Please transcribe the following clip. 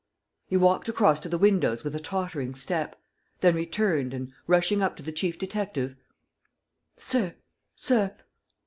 He walked across to the windows with a tottering step, then returned and, rushing up to the chief detective: "Sir, sir